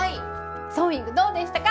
ソーイングどうでしたか？